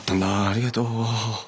ありがとう。